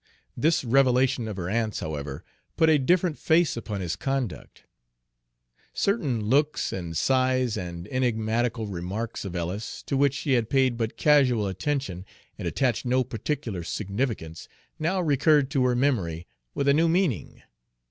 This revelation of her aunt's, however, put a different face upon his conduct. Certain looks and sighs and enigmatical remarks of Ellis, to which she had paid but casual attention and attached no particular significance, now recurred to her memory with a new meaning.